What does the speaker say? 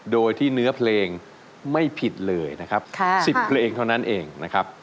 โดยที่เนื้อเพลงไม่ผิดเลยนะครับ๑๐เพลงเท่านั้นเองนะครับ